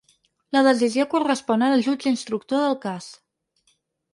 La decisió correspon ara al jutge instructor del cas.